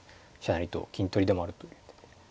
成と金取りでもあるという手で。